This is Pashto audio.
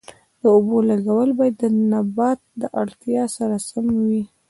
د اوبو لګول باید د نبات د اړتیا سره سم وي.